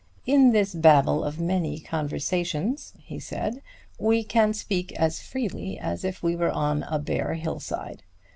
"In this babble of many conversations," he said, "we can speak as freely as if we were on a bare hill side.